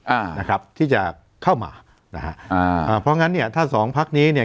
อ่านะครับที่จะเข้ามานะฮะอ่าอ่าเพราะงั้นเนี้ยถ้าสองพักนี้เนี่ย